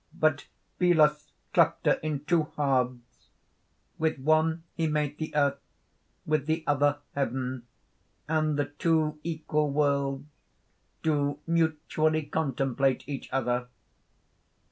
But Belus cleft her in two halves; with one he made the earth; with the other, heaven; and the two equal worlds do mutually contemplate each other.